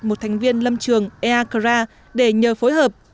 một thành viên lâm trường eakar để nhờ phối hợp